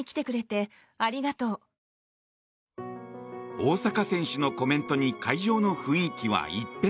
大坂選手のコメントに会場の雰囲気は一変。